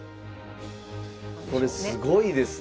これすごいですね！